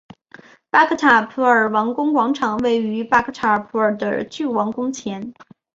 巴克塔普尔王宫广场位于巴克塔普尔的旧王宫前。